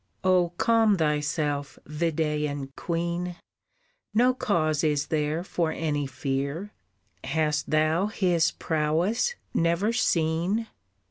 "Oh calm thyself, Videhan Queen, No cause is there for any fear, Hast thou his prowess never seen?